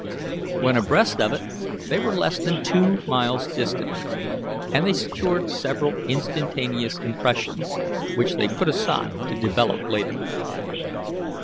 When abreast of it they were less than two miles distant, and they secured several instantaneous impressions, which they put aside to develop later.